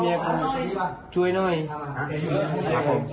เนี่ยถ้ารมแตกเนี่ยใช้อะไรตีก่อน